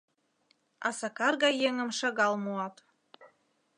А Сакар гай еҥым шагал муат...